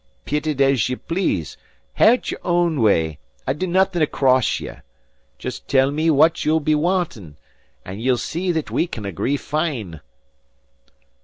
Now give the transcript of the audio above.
"Pit it as ye please, hae't your ain way; I'll do naething to cross ye. Just tell me what like ye'll be wanting, and ye'll see that we'll can agree fine."